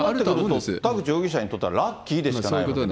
田口容疑者にとってはラッキーでしかない。